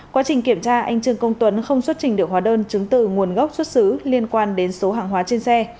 quá trình kiểm tra anh trương công tuấn không xuất trình được hóa đơn chứng từ nguồn gốc xuất xứ liên quan đến số hàng hóa trên xe